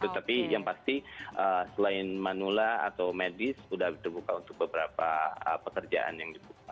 tapi yang pasti selain manula atau medis sudah terbuka untuk beberapa pekerjaan yang dibuka